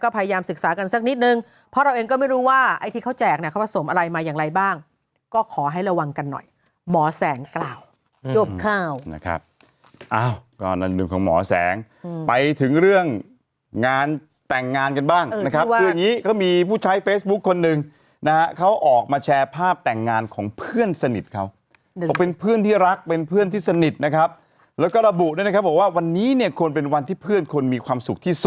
ผสมอะไรมาอย่างไรบ้างก็ขอให้ระวังกันหน่อยหมอแสงกล่าวจบข้าวนะครับอ้าวก็นั่นหนึ่งของหมอแสงไปถึงเรื่องงานแต่งงานกันบ้างนะครับคืออย่างนี้ก็มีผู้ใช้เฟซบุ๊คคนหนึ่งนะครับเขาออกมาแชร์ภาพแต่งงานของเพื่อนสนิทเขาเป็นเพื่อนที่รักเป็นเพื่อนที่สนิทนะครับแล้วก็ระบุด้วยนะครับว่าวันนี้เนี่ยควรเป็นวันที่เพื่อนคนม